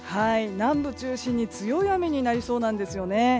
南部中心に強い雨になりそうなんですよね。